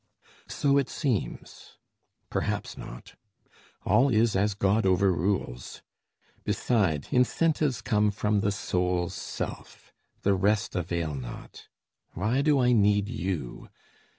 So it seems: Perhaps not. All is as God overrules. Beside, incentives come from the soul's self; The rest avail not. Why do I need you?